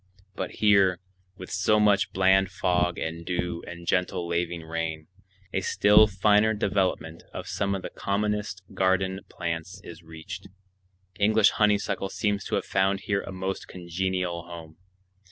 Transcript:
But here, with so much bland fog and dew and gentle laving rain, a still finer development of some of the commonest garden plants is reached. English honeysuckle seems to have found here a most congenial home.